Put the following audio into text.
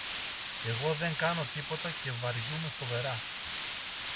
Εγώ δεν κάνω τίποτα και βαριούμαι φοβερά!